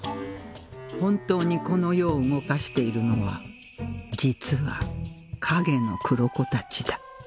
本当にこの世を動かしているのは実は影の黒子たちだ